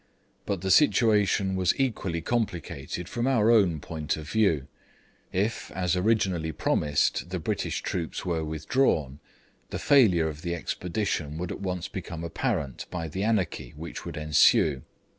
But the situation was equally complicated from our own point of view. If, as originally promised, the British troops were withdrawn, the failure of the expedition would at once become apparent by the anarchy which would ensue.